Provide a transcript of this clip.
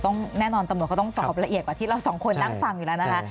แน่นอนตำรวจก็ต้องสอบละเอียดกว่าที่เราสองคนนั่งฟังอยู่แล้วนะคะ